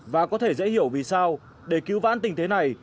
và có thể dễ hiểu vì sao để cứu vãn tình thế này